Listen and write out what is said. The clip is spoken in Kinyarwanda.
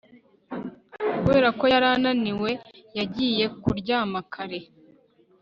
Kubera ko yari ananiwe yagiye kuryama kare